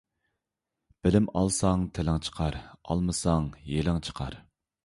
بىلىم ئالساڭ تىلىڭ چىقار، ئالمىساڭ يېلىڭ چىقار.